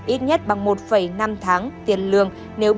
ít nhất bằng một năm tháng tiền lương